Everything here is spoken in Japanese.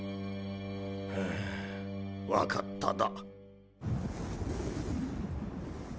ふうわかっただ。